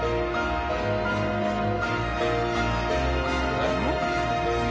えっ？